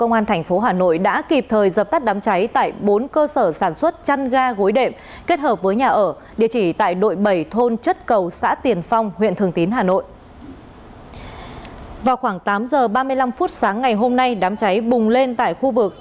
vào khoảng tám giờ ba mươi năm phút sáng ngày hôm nay đám cháy bùng lên tại khu vực